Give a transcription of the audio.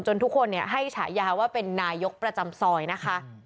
ทุกคนให้ฉายาว่าเป็นนายกประจำซอยนะคะ